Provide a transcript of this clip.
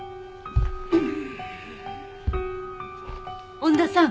恩田さん